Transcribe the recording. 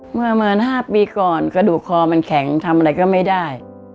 เมื่อเหมือน๕ปีก่อนกระดูกคอมันแข็งทำอะไรก็ไม่ได้